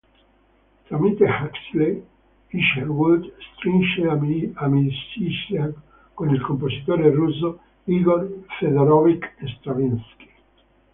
Tramite Huxley, Isherwood strinse amicizia con il compositore russo Igor' Fëdorovič Stravinskij.